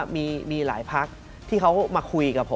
มีอะไรบ้างอะ